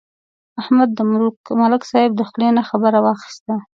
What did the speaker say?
احمد د ملک صاحب د خولې نه خبره واخیسته.